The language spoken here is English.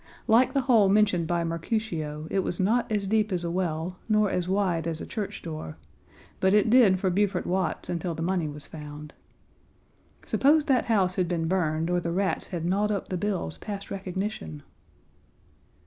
Like the hole mentioned by Mercutio, it was not as deep as a well nor as wide as a church door, but it did for Beaufort Watts until the money was found. Suppose that house had been burned or the rats had gnawed up the bills past recognition?